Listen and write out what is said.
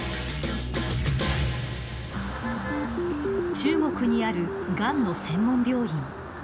中国にあるがんの専門病院。